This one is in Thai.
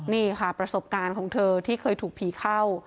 นี่ค่ะประสบการณ์ของเธอที่เคยถูกผีเข้า